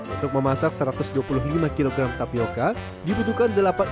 untuk memasak satu ratus dua puluh lima kg tapioca dibutuhkan delapan ikat kayu bakar setelah dikocok